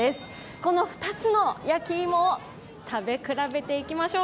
この２つの焼き芋を食べ比べていきましょう。